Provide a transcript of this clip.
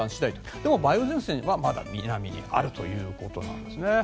でも梅雨前線はまだ南にあるということなんですね。